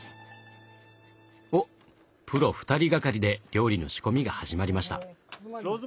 プロ２人ががりで料理の仕込みが始まりました。